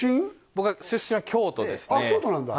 僕は出身は京都ですねあっ京都なんだ